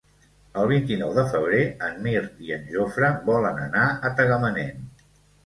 El vint-i-nou de febrer en Mirt i en Jofre volen anar a Tagamanent.